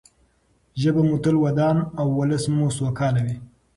ژبه مو تل ودان او ولس مو سوکاله وي.